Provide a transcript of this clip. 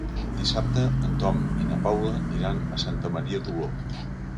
Dissabte en Tom i na Paula iran a Santa Maria d'Oló.